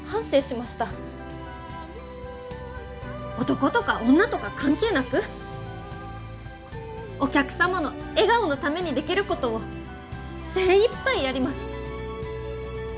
男とか女とか関係なくお客様の笑顔のためにできることを精いっぱいやります！